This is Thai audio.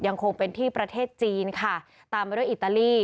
ยังคงเป็นที่ประเทศจีนค่ะตามไปด้วยอิตาลี